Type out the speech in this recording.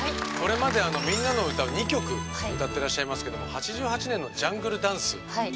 これまで「みんなのうた」を２曲歌ってらっしゃいますけども８８年の「ジャングル・ダンス」。